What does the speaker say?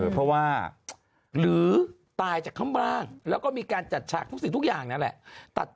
เพราะว่าหรือตายจากข้างล่างแล้วก็มีการจัดฉากทุกสิ่งทุกอย่างนั่นแหละ